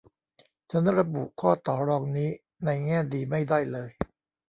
ฉันระบุข้อต่อรองนี้ในแง่ดีไม่ได้เลย